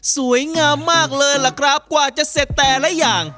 สวยงามมากเลยล่ะครับกว่าจะเสร็จแต่ละอย่าง